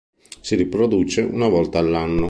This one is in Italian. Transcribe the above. Si riproduce una volta all'anno.